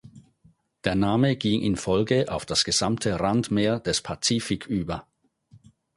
Der Name ging in Folge auf das gesamte Randmeer des Pazifik über.